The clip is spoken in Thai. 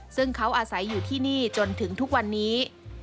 ซึ่งเขาอาศัยอยู่ที่นี่จนถึงทุกวันนี้